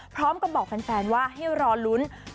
พร้อมกับบอกแฟนว่าให้รอลุ้น